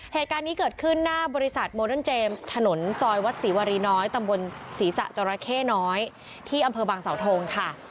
เหตุการณ์นี้เกิดขึ้นหน้าบริษัทโมเดิร์นเจมส์ถนนซอยวัดศรีวรีน้อยตำบลศรีษะจราเข้น้อยที่อำเภอบางสาวทงค่ะ